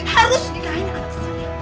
harus nikahin anak sendiri